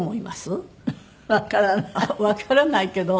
わからないけど。